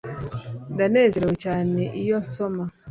Ndanezerewe cyane iyo nsoma